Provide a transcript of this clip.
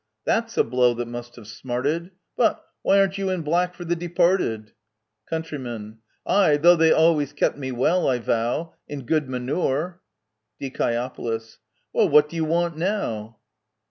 That's a blow that must have smarted ! But — why aren't you in black for the departed ? Count. Ay, though they always kept me well, I vow — In good manure. Die. Well, what do you want now